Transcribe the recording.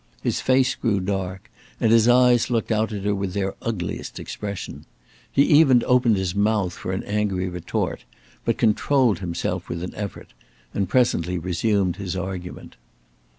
His face grew dark and his eyes looked out at her with their ugliest expression. He even opened his mouth for an angry retort, but controlled himself with an effort, and presently resumed his argument.